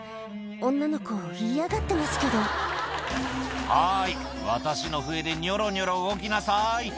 女の子嫌がってますけど「はい私の笛でニョロニョロ動きなさい」